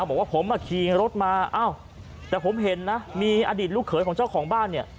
บอกว่าผมอ่ะขี่รถมาอ้าวแต่ผมเห็นนะมีอดีตลูกเขยของเจ้าของบ้านเนี่ย